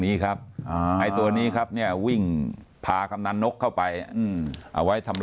นี้ครับไอ้ตัวนี้ครับเนี่ยวิ่งพากำนันนกเข้าไปเอาไว้ทำ